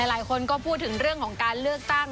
หลายคนก็พูดถึงเรื่องของการเลือกตั้ง